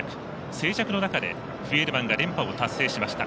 静寂の中でフィエールマンが連覇を達成しました。